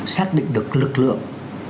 xác định được lực lượng